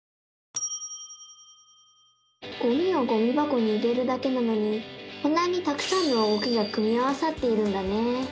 ゴミをゴミばこに入れるだけなのにこんなにたくさんの動きが組み合わさっているんだね！